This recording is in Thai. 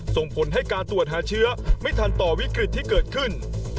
ส่งผลให้การตรวจหาเชื้อไม่ทันต่อวิกฤตที่เกิดขึ้น